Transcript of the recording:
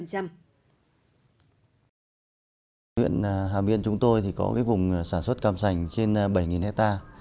hàm yên của chúng tôi có vùng sản xuất càm sành trên bảy ha